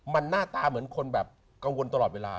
มันหน้าตาเหมือนคนแบบกังวลตลอดเวลา